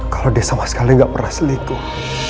kalau dia sama sekali nggak pernah selingkuh